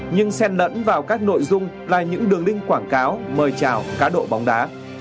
nhưng sen lẫn vào các nội dung là những đường link quảng cáo mời trào cá độ bóng đá